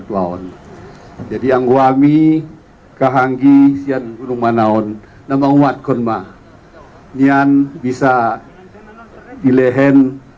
tuahon jadi anggu ami khanji siang gunung manaon nama umat khonma nian bisa dilehen